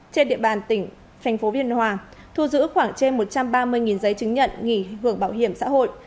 trên địa bàn tỉnh thành phố biên hòa thu giữ khoảng trên một trăm ba mươi giấy chứng nhận nghỉ hưởng bảo hiểm xã hội